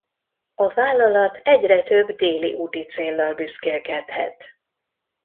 A vállalat egyre több déli úti céllal büszkélkedhet.